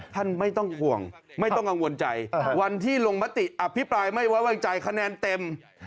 ไม่ต้องห่วงไม่ต้องกังวลใจวันที่ลงมติอภิปรายไม่ไว้วางใจคะแนนเต็ม